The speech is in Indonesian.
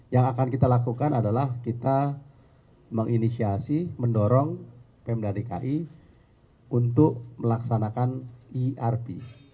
yang akan kita lakukan adalah kita menginisiasi mendorong pm dan dki untuk melaksanakan irp